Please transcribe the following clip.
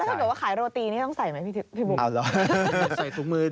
ถ้าเกิดว่าขายโรตีนี่ต้องใส่ไหมพี่บุ๊ค